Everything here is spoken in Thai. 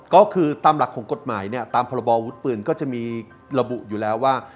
ก็คือตามหลักของกฎหมายเนี่ยตามพรบอวุธปืนก็จะมีระบุอยู่แล้วว่า